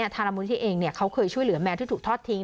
ทางมูลที่เองเขาเคยช่วยเหลือแมวที่ถูกทอดทิ้ง